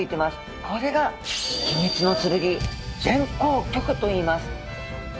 これが秘密の剣前向棘といいます。